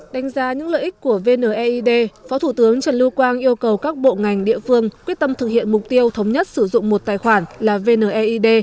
đánh giá những lợi ích của vneid phó thủ tướng trần lưu quang yêu cầu các bộ ngành địa phương quyết tâm thực hiện mục tiêu thống nhất sử dụng một tài khoản là vneid